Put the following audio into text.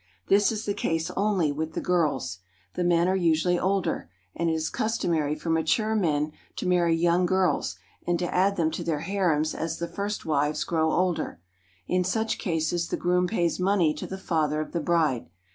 This is the case only with the girls. The men are usually older, and it is customary for mature men to marry young girls and to add to their harems as the first wives grow older. In such cases the groom pays money to the father of the bride.